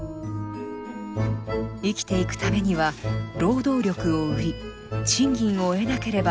生きていくためには労働力を売り賃金を得なければならないのです。